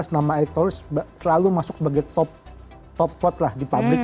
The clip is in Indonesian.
nama eriktoris selalu masuk sebagai top top vote lah di publik